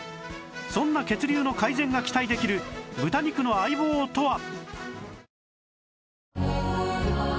そんな血流の改善が期待できる豚肉の相棒とは？